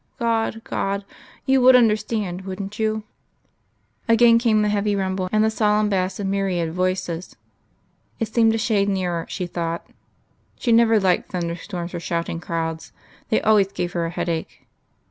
God. God You would understand, wouldn't You?" ...Again came the heavy rumble and the solemn bass of a myriad voices; it seemed a shade nearer, she thought.... She never liked thunderstorms or shouting crowds. They always gave her a headache